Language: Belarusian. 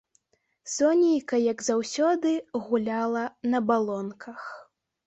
Сонейка, як заўсёды, гуляла на балонках.